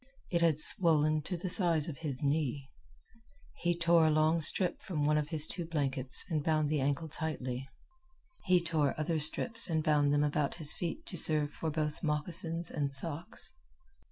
It had swollen to the size of his knee. He tore a long strip from one of his two blankets and bound the ankle tightly. He tore other strips and bound them about his feet to serve for both moccasins and socks.